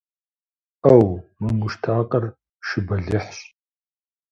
Ӏэу! Мы муштакъыр шы бэлыхьщ!